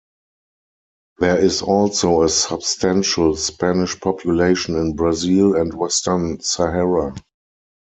There is also a substantial Spanish population in Brazil and Western Sahara.